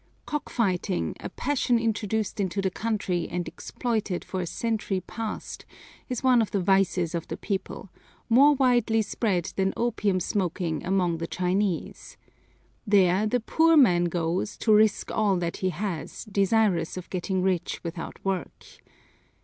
Cockfighting, a passion introduced into the country and exploited for a century past, is one of the vices of the people, more widely spread than opium smoking among the Chinese. There the poor man goes to risk all that he has, desirous of getting rich without work.